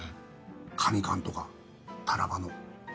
カニ缶とかタラバの。